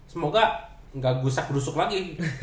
semoga dava gak gusak grusuk lagi